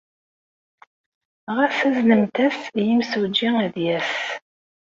Ɣas aznemt-as i yimsujji ad d-yas.